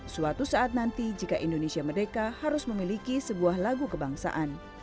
suatu saat nanti jika indonesia merdeka harus memiliki sebuah lagu kebangsaan